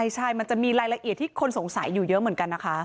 ใช่มันจะมีรายละเอียดที่คนสงสัยอยู่เยอะเหมือนกันนะคะ